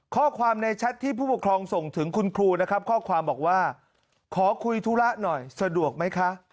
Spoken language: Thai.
ข้อความในแชทที่ผู้ปกครองส่งถึงคุณครูนะครับข้อความบอกว่าขอคุยธุระหน่อยสะดวกไหมคะ